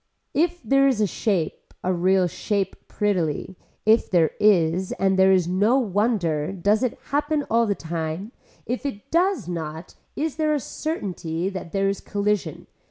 If there is a shape a real shape prettily, if there is and there is no wonder does it happen all the time, if it does not is there a certainty that there is collusion.